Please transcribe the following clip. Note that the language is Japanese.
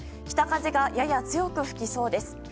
北風がやや強く吹きそうです。